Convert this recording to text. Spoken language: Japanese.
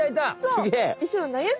すげえ！